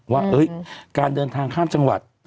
ว่าการเดินทางข้ามจังหวัด